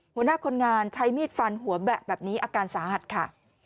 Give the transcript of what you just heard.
หัวหน้าคนงานใช้มีดฟันหัวแบะแบบนี้อาการสาหัสค่ะ